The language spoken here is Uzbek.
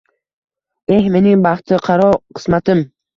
Eh, mening baxtiqaro qismatim